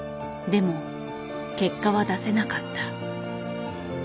でも結果は出せなかった。